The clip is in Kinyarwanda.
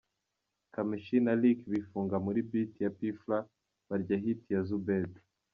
Kamichi na Lick bifunga muri beat ya P Fla ,barya hit ya Zoubeda ,.